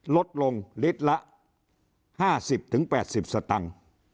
ลดลงฤจภัณฑ์ละ๕๐ถึง๘๐สตั่ง